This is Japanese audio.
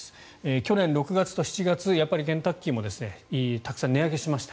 去年６月と７月やっぱり、ケンタッキーもたくさん値上げしました。